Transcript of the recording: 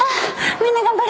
みんな頑張れ。